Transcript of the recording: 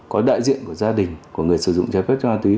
có đại diện của gia đình của người sử dụng trái phép cho ma túy